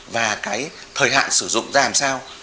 và cái thời hạn sử dụng ra làm sao